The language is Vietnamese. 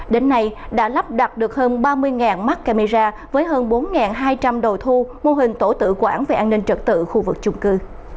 đến nay đã lắp đặt được hơn ba mươi mắt camera với hơn bốn hai trăm linh đồ thu mô hình tổ tự quản về an ninh trật tự khu vực chung cư